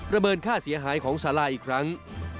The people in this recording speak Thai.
เมินค่าเสียหายของสาราอีกครั้ง